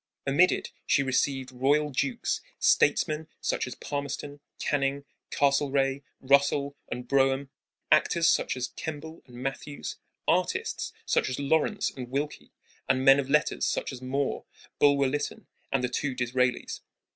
Amid it she received royal dukes, statesmen such as Palmerston, Canning, Castlereagh, Russell, and Brougham, actors such as Kemble and Matthews, artists such as Lawrence and Wilkie, and men of letters such as Moore, Bulwer Lytton, and the two Disraelis.